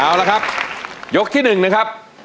เอาละครับยกที่๑นะครับ